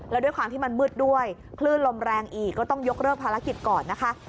แล้วด้วยความที่มันมืดด้วยคลื่นลมแรงอีกก็ต้องยกเลิกภารกิจก่อนนะคะ